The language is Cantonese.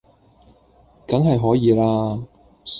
梗係可以啦